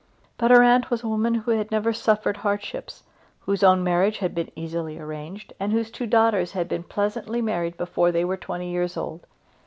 But her aunt was a woman who had never suffered hardships, whose own marriage had been easily arranged, and whose two daughters had been pleasantly married before they were twenty years old.